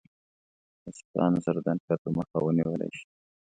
له سیکهانو سره د نښتو مخه ونیوله شي.